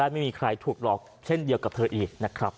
ไม่มีใครถูกหลอกเช่นเดียวกับเธออีกนะครับ